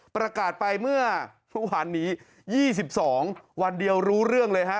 ประกาศไปเมื่อเมื่อวานนี้๒๒วันเดียวรู้เรื่องเลยฮะ